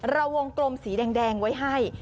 ระวงกลมสีแดงไว้ให้